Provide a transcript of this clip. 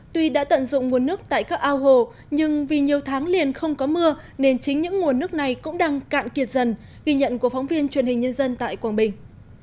tuy đã tận dụng nguồn nước tại các ao hồ nhưng vì nhiều tháng liền không có mưa nên chính những nguồn nước này cũng đang cạn kiệt dần ghi nhận của phóng viên truyền hình nhân dân tại quảng bình